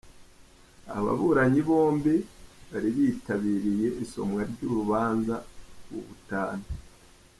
Ababuranyi bombi bari bitabiriye isomwa ry’urubanza rw’ubutane.